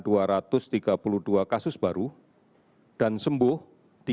dua tiga ratus delapan orang yang menyebabkan penyakit covid sembilan belas